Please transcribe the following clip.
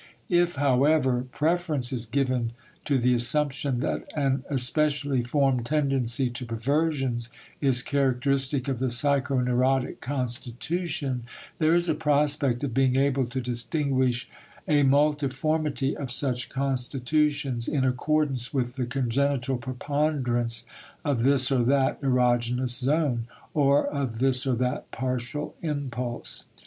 If, however, preference is given to the assumption that an especially formed tendency to perversions is characteristic of the psychoneurotic constitution, there is a prospect of being able to distinguish a multiformity of such constitutions in accordance with the congenital preponderance of this or that erogenous zone, or of this or that partial impulse.